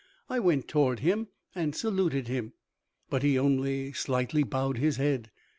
I went toward him and saluted him, but he only slightly bowed his head.